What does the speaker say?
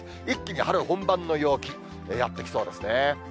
一気に春本番の陽気、やって来そうですね。